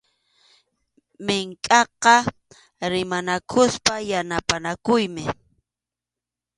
Minkʼaqa rimanakuspa yanapanakuymi.